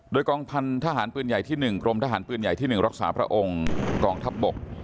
โดยกองพันธหารปืนใหญ่ที่๑กรมทหารปืนใหญ่ที่๑รักษาพระองค์กองทัพบก